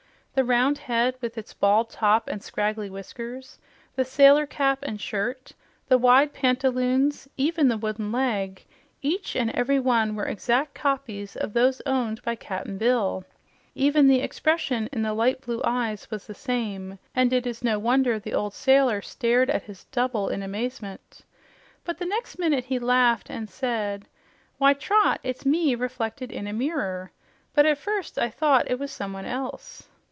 The round head, with its bald top and scraggly whiskers, the sailor cap and shirt, the wide pantaloons, even the wooden leg, each and every one were exact copies of those owned by Cap'n Bill. Even the expression in the light blue eyes was the same, and it is no wonder the old sailor stared at his "double" in amazement. But the next minute he laughed and said, "Why, Trot, it's ME reflected in a mirror. But at first I thought it was someone else."